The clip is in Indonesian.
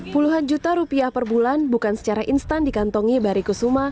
puluhan juta rupiah per bulan bukan secara instan dikantongi bari kusuma